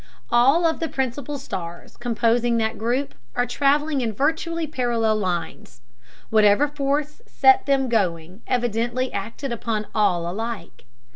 All of the principle stars composing that group are traveling in virtually parallel lines. Whatever force set them going evidently acted upon all alike.